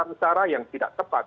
jadi itu adalah data yang tidak tepat